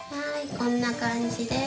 こんな感じです。